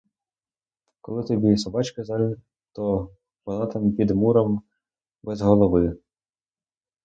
Коли тобі собачки жаль, то вона там під муром без голови.